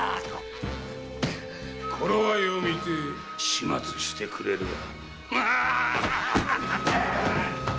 ころ合いを見て始末してくれるわ！